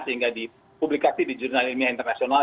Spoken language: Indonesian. sehingga dipublikasi di jurnal ilmiah internasional